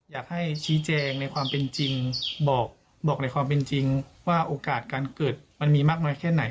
อยากให้ชี้แจงในความเป็นจริงบอกในความเป็นจริงว่าโอกาสการเกิดมันมีมากน้อยแค่ไหน